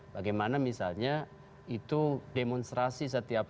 bagaimana misalnya itu demonstrasi setiap